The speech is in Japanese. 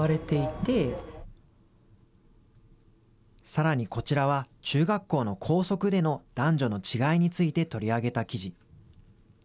さらにこちらは、中学校の校則での男女の違いについて取り上げた記事。